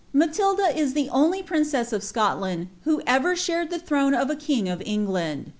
Matilda ia the only princess of Scotland who ever shared the ihroiu of a king of England.